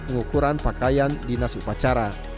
pengukuran pakaian dinas upacara